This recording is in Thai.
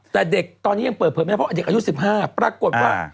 แต่เด็กตอนนี้ยังเปิดเผยไม่ได้เพราะเด็กอายุ๑๕ปรากฏว่า